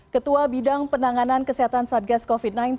ketua bidang penanganan kesehatan satgas covid sembilan belas